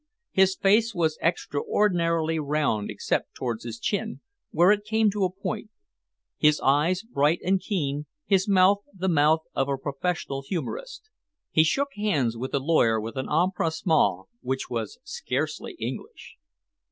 His face was extraordinarily round except towards his chin, where it came to a point; his eyes bright and keen, his mouth the mouth of a professional humourist. He shook hands with the lawyer with an empressement which was scarcely English.